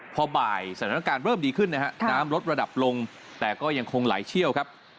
พอบ่ายสถานการณ์เริ่มดีขึ้นนะฮะน้ำลดระดับลงแต่ก็ยังคงไหลเชี่ยวครับ